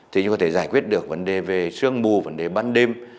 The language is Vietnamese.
thì chúng có thể giải quyết được vấn đề về sương mù vấn đề ban đêm